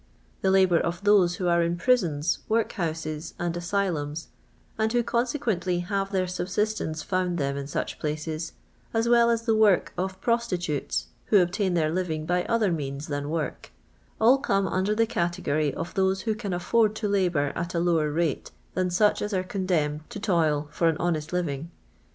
The lahonr of those who arc in prison^ workhouses, and asylums, and who consequently have their subsistence found them in such places, as well as the work of prostitutes, who obtain their living by other means than work, all come under the category of those who can afford to labour at a lower rate than such as arc condemned to toil for an honest living.